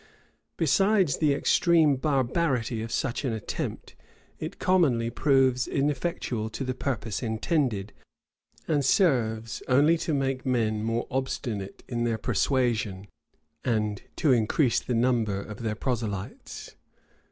Besides the extreme barbarity of such an attempt, it commonly proves ineffectual to the purpose intended, and serves only to make men more obstinate in their persuasion, and to increase the number of their proselytes.